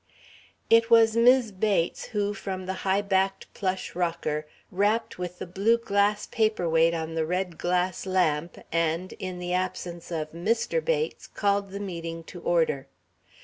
It was Mis' Bates, who, from the high backed plush rocker, rapped with the blue glass paperweight on the red glass lamp and, in the absence of Mr. Bates, called the meeting to order.